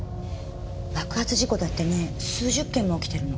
爆発事故だってね数十件も起きてるの。